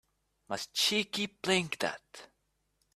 Must she keep playing that?